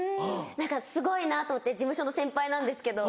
すごいなと思って事務所の先輩なんですけど。